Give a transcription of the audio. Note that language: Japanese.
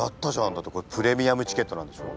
だってこれプレミアムチケットなんでしょ？